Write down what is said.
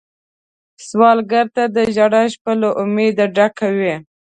سوالګر ته د ژړا شپه له امید ډکه وي